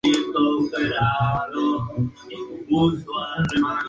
Actualmente, una placa en el Palacio recuerda este hecho.